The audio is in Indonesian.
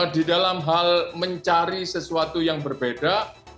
di dalam hal mencari sesuatu yang berbeda